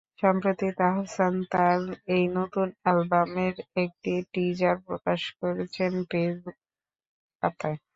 সম্প্রতি তাহসান তাঁর এই নতুন অ্যালবামের একটি টিজার প্রকাশ করেছেন ফেসবুক পাতায়।